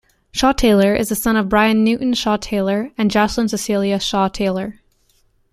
Shawe-Taylor is the son of Brian Newton Shawe-Taylor and Jocelyn Cecilia Shawe-Taylor.